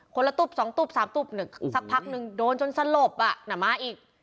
คนละตุ๊บสองตุ๊บสามตุ๊บสักพักหนึ่งโดนจนสลบน้ำม้าอีก